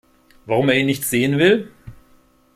Warum er ihn nicht sehen will?